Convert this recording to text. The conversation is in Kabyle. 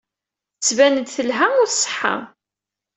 Tettban-d telha u tṣeḥḥa.